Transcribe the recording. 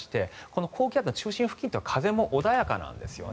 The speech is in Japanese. この高気圧の中心付近というのは風も穏やかなんです。